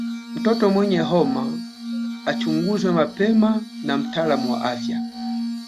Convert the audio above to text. Mtoto mwenye homa achunguzwe mapema na mtaalamu wa afya